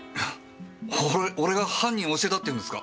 俺が犯人教えたっていうんですか！？